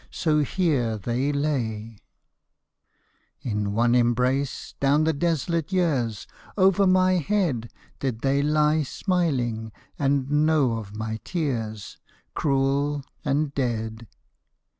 So here they lay. lo MY LADY'S SLIPPER In one embrace down the desolate years Over my head Did they lie smiling and know of my tears, Cruel and dead.